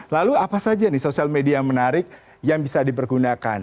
lalu apa saja nih sosial media menarik yang bisa dipergunakan